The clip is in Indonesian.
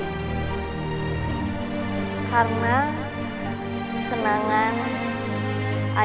bukan melupakan yang telah kita lakukan